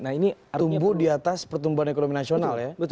nah ini tumbuh di atas pertumbuhan ekonomi nasional ya